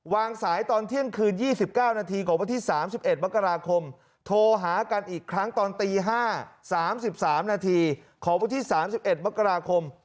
วางสายตอนเที่ยงคืน๒๙นาทีของวันที่๓๑มกราคม